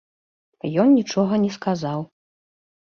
Ён нічога не сказаў.